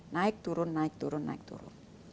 naik turun naik turun naik turun